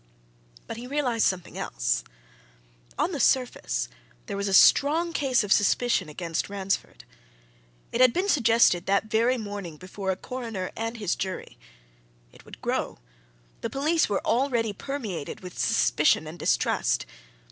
But he realized something else. On the surface, there was a strong case of suspicion against Ransford. It had been suggested that very morning before a coroner and his jury; it would grow; the police were already permeated with suspicion and distrust.